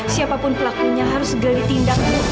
siapapun pelakunya harus gelit tindak bu